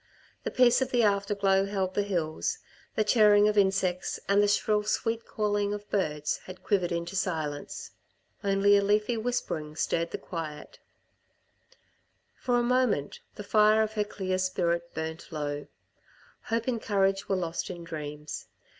The peace of the after glow held the hills, the chirring of insects and the shrill sweet calling of birds had quivered into silence. Only a leafy whispering stirred the quiet. For a moment the fire of her clear spirit burnt low. Hope and courage were lost in dreams.